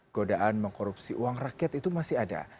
godaan mengkorupsi uang rakyat itu masih ada